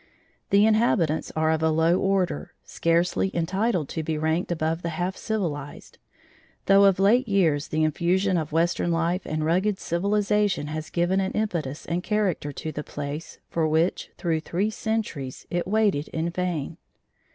The inhabitants are of a low order, scarcely entitled to be ranked above the half civilized, though of late years the infusion of western life and rugged civilization has given an impetus and character to the place for which, through three centuries, it waited in vain.